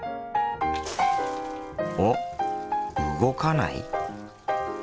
おっ動かない？